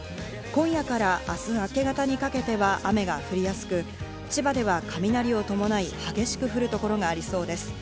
今夜から明日明け方にかけては雨が降りやすく、千葉では雷を伴い激しく降る所がありそうです。